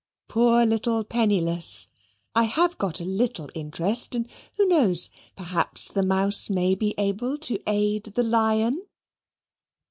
"Poor little penniless, I have got a little interest and who knows, perhaps the mouse may be able to aid the lion."